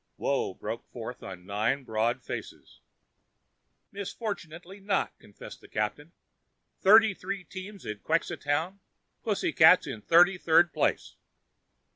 Woe broke forth on nine broad faces. "Misfortunately not," confessed the captain. "Thirty three teams in Quxa town. Pussycats in thirty third place."